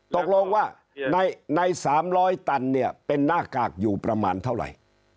ตกลงว่าใน๓๐๐ตันเนี่ยเป็นหน้ากากอยู่ประมาณเท่าไหร่